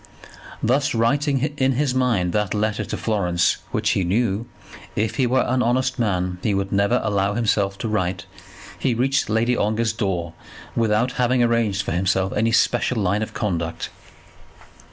Thus, writing in his mind that letter to Florence which he knew, if he were an honest man, he would never allow himself to write, he reached Lady Ongar's door without having arranged for himself any special line of conduct.